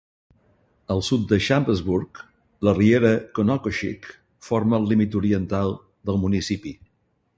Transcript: Al sud de Chambersburg, la riera Conococheague forma el límit oriental del municipi.